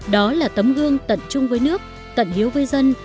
đó là tấm gương tận chung với nước tận hiếu với dân